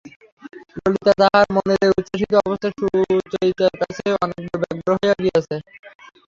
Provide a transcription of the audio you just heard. ললিতা তাহার মনের এই উচ্ছ্বসিত অবস্থায় সুচরিতার কাছে অনেকবার ব্যগ্র হইয়া গিয়াছে।